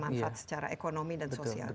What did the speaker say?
manfaat secara ekonomi dan sosial